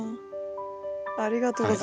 ありがとうございます。